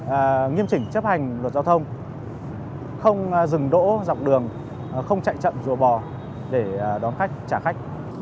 và nghiêm chỉnh chấp hành luật giao thông không dừng đỗ dọc đường không chạy chậm rùa bò để đón khách trả khách